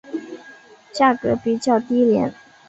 价格比较低廉。